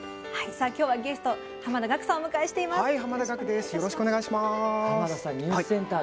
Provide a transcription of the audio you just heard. きょうはゲスト、濱田岳さんをお迎えしています。